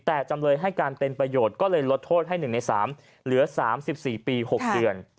แต่จำเลยให้การเป็นประโยชน์ก็เลยลดโทษให้๑ใน๓เหลือ๓๔ปี๖เดือน